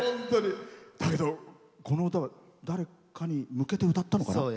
だけど、この歌誰かに向けて歌ったのかな？